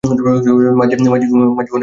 মার্জি, অনেক বড় হয়ে গেছ তুমি!